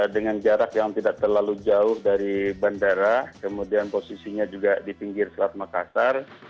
dengan jarak yang tidak terlalu jauh dari bandara kemudian posisinya juga di pinggir selat makassar